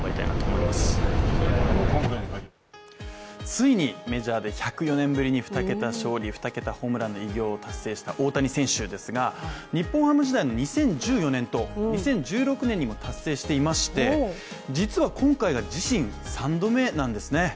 ついにメジャーで１０４年ぶりに２桁勝利・２桁ホームランの偉業を達成した大谷選手ですが日本ハム時代の２０１４年と２０１６年にも達成していまして、実は今回が自身３度目なんですね。